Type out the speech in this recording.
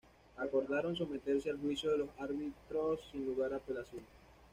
Acordaron someterse al juicio de los árbitros sin lugar a apelación.